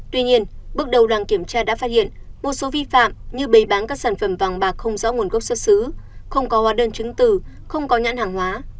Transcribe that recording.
tuy nhiên bước đầu đoàn kiểm tra đã phát hiện một số vi phạm như bày bán các sản phẩm vàng bạc không rõ nguồn gốc xuất xứ không có hóa đơn chứng từ không có nhãn hàng hóa